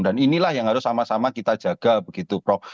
dan inilah yang harus sama sama kita jaga begitu prof